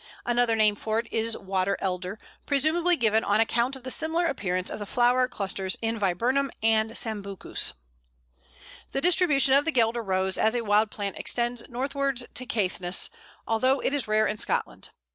Another name for it is Water Elder, presumably given on account of the similar appearance of the flower clusters in Viburnum and Sambucus. The distribution of the Guelder Rose as a wild plant extends northwards to Caithness, although it is rare in Scotland.